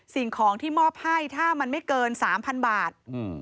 สิ่งของที่มอบให้ถ้ามันไม่เกิน๓๐๐บาท